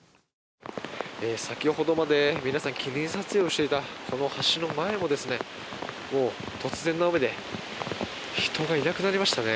先ほどまで皆さん記念撮影をしていたこの橋の前も、突然の雨で人がいなくなりましたね。